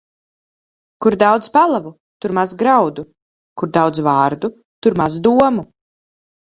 Kur daudz pelavu, tur maz graudu; kur daudz vārdu, tur maz domu.